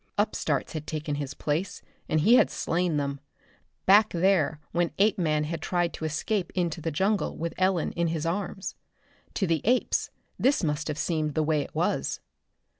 Upstarts had taken his place, and he had slain them back there when Apeman had tried to escape into the jungle with Ellen in his arms. To the apes this must have seemed the way it was.